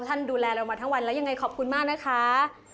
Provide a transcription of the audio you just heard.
ดูแลเรามาทั้งวันแล้วยังไงขอบคุณมากนะคะ